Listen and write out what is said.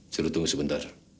silahkan tunggu sebentar